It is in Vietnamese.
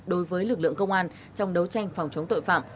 đối với lực lượng công an trong đấu tranh phòng chống tội phạm